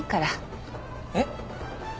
えっ？